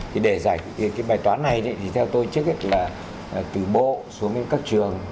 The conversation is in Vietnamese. thì để giải quyết cái bài toán này thì theo tôi chức là từ bộ xuống đến các trường